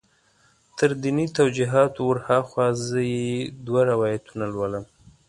تر دیني توجیهاتو ور هاخوا زه یې دوه روایتونه لولم.